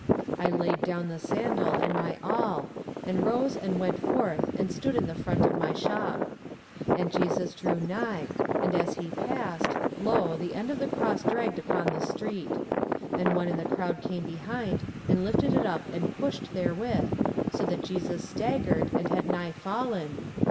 I laid down the sandal and my awl, and rose and went forth and stood in the front of my shop. And Jesus drew nigh, and as he passed, lo, the end of the cross dragged upon the street. And one in the crowd came behind, and lifted it up and pushed therewith, so that Jesus staggered and had nigh fallen.